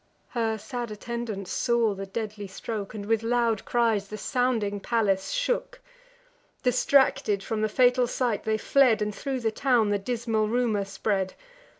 Her sad attendants saw the deadly stroke, And with loud cries the sounding palace shook. Distracted, from the fatal sight they fled, And thro' the town the dismal rumour spread.